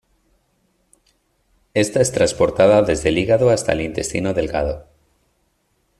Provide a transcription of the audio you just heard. Esta es transportada desde el hígado hasta el intestino delgado.